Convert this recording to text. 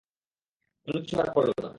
অন্য কিছু আর করলো না।